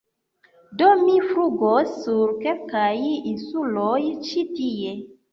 Do mi flugos sur kelkaj insuloj ĉi tie.